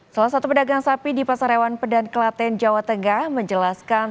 salah satu pedagang sapi di pasar hewan pedan kelaten jawa tengah menjelaskan